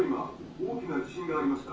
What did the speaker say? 大きな地震がありました。